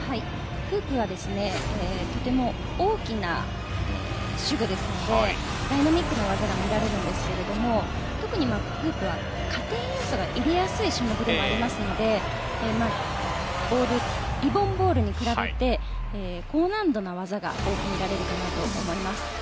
フープはとても大きな手具ですのでダイナミックな技が見られるんですけれども特にフープは加点要素が入れやすい種目でもありますのでリボン・ボールに比べて高難度な技が多く見られるかなと思います。